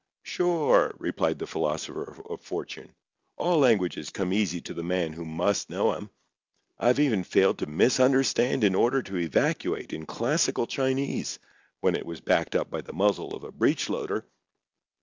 "Sure," replied the philosopher of Fortune. "All languages come easy to the man who must know 'em. I've even failed to misunderstand an order to evacuate in classical Chinese when it was backed up by the muzzle of a breech loader.